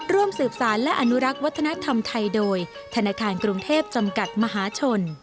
ร่วมสืบสารและอนุรักษ์วัฒนธรรมไทยโดยธนาคารกรุงเทพจำกัดมหาชน